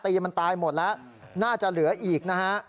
มันตายหมดแล้วน่าจะเหลืออีกนะฮะ